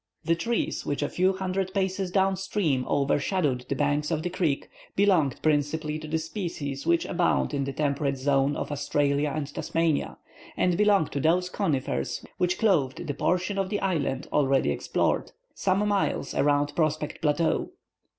The trees which, a few hundred paces down stream overshadowed the banks of the creek, belonged principally to the species which abound in the temperate zone of Australia or of Tasmania, and belong to those conifers which clothed the portion of the island already explored, some miles around Prospect Plateau.